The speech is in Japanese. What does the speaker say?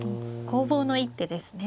攻防の一手ですね。